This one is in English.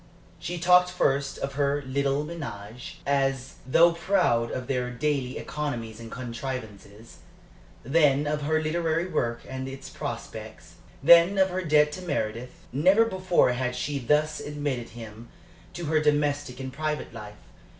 She talked first of her little ménage, as though proud of their daily economies and contrivances; then of her literary work and its prospects; then of her debt to Meredith. Never before had she thus admitted him to her domestic and private life.